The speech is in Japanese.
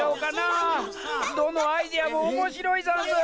どのアイデアもおもしろいざんす！